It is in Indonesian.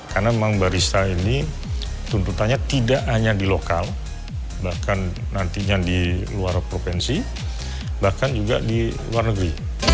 karena memang barista ini tuntutannya tidak hanya di lokal bahkan nantinya di luar provinsi bahkan juga di luar negeri